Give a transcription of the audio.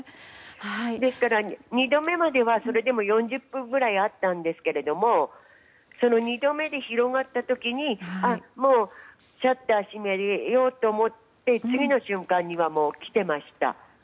ですから、２度目まではそれでも４０分ぐらいあったんですがその２度目で広がった時にシャッターを閉めようと思って次の瞬間にはもう来ていました。